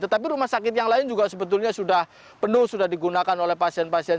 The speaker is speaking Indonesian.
tetapi rumah sakit yang lain juga sebetulnya sudah penuh sudah digunakan oleh pasien pasien